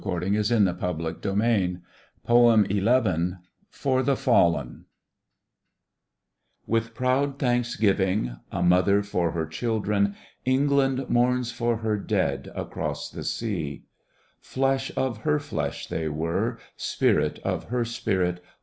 Digitized by Google 28 FOR THE FALLEN With proud thanksgiving, a mother for her children, England mourns for her dead across the sea. Flesh of her flesh they were, spirit of her spirit.